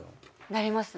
なりますね。